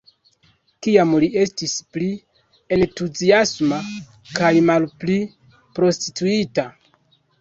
Kiam li estis pli entuziasma kaj malpli prostituita.